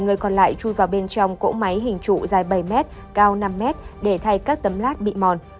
người còn lại chui vào bên trong cỗ máy hình trụ dài bảy m cao năm m để thay các tấm lát bị mòn